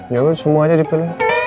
ya semua aja dipilih